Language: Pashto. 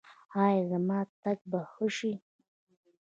ایا زما تګ به ښه شي؟